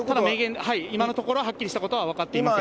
今のところ、はっきりしたことは分かっていません。